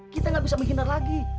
kita gak bisa menghindar lagi